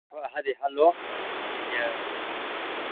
کھو اَہا دیہا لوق زُوم چی بیاس